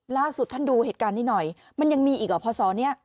ล่าสุดท่านดูเหตุการณ์นี้หน่อยมันยังมีอีกเหรอพศนี้